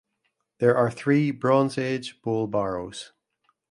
There are three Bronze Age bowl barrows.